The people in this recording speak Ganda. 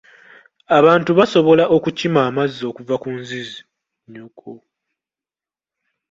Abantu basobola okukima amazzi okuva ku nzizi.